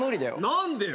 何でよ。